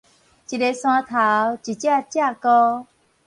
一个山頭，一隻鷓鴣